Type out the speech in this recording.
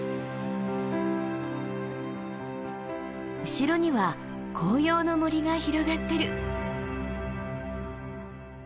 後ろには紅葉の森が広がってる。